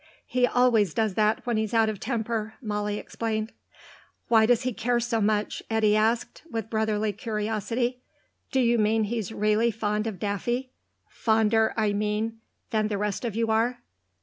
"He always does that when he's out of temper," Molly explained. "Why does he care so much?" Eddy asked, with brotherly curiosity. "Do you mean he's really fond of Daffy? Fonder, I mean, than the rest of you are?"